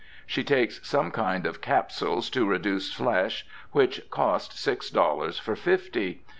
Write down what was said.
She takes some kind of capsules to reduce flesh, which cost six dollars for fifty.